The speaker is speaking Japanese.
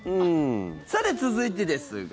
さて、続いてですが。